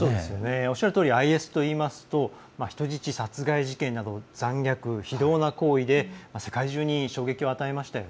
おっしゃるとおりＩＳといいますと人質殺害事件など残虐非道な行為で世界中に衝撃を与えました。